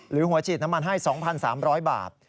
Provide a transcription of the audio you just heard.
หรือหัวฉีดน้ำมันให้๒๓๐๐บาท